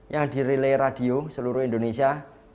yang dirilai radio seluruh indonesia